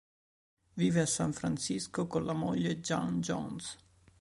Vive a San Francisco con la moglie Jann Jones.